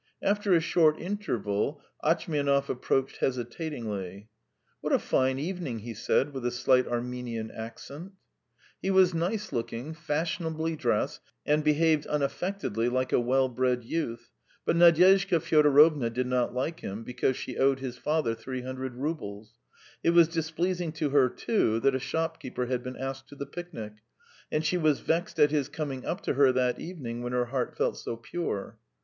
After a short interval Atchmianov approached hesitatingly. "What a fine evening!" he said with a slight Armenian accent. He was nice looking, fashionably dressed, and behaved unaffectedly like a well bred youth, but Nadyezhda Fyodorovna did not like him because she owed his father three hundred roubles; it was displeasing to her, too, that a shopkeeper had been asked to the picnic, and she was vexed at his coming up to her that evening when her heart felt so pure.